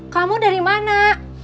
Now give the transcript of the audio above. kamu dari mana